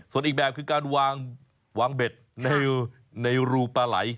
ส่วนอีกแบบคือการวางเบ็ดในรูปปลาไหล